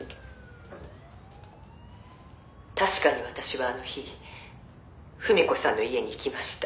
「確かに私はあの日文子さんの家に行きました」